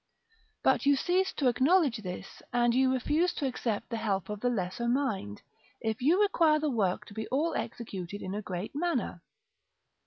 But you cease to acknowledge this, and you refuse to accept the help of the lesser mind, if you require the work to be all executed in a great manner.